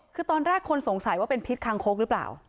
คือตอนแรกคนสงสัยว่าเป็นพิษคางคกหรือเปล่า